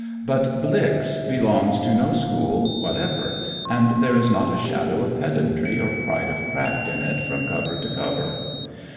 But "Blix" belongs to no school whatever, and there is not a shadow of pedantry or pride of craft in it from cover to cover.